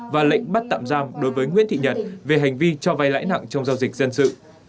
và lệnh bắt tạm giam đối với nguyễn thị nhật về hành vi cho vay lãi nặng trong giao dịch dân sự